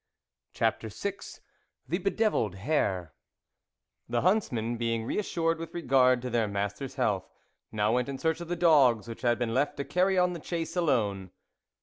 CHAPTER VI THE BEDEVILLED HAIR THE huntsmen, being reassured with regard to their master's health, now went in search of the dogs, which had been left to carry on the chase alone.